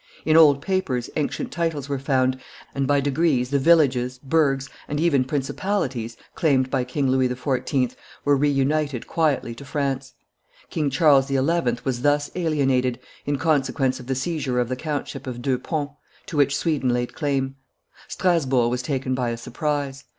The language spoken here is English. In old papers ancient titles were found, and by degrees the villages, Burghs, and even principalities, claimed by King Louis XIV. were re united quietly to France; King Charles XI. was thus alienated, in consequence of the seizure of the countship of Deux Ponts, to which Sweden laid claim. Strasburg was taken by a surprise.